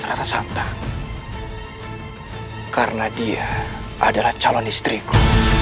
karena dia adalah calon istriku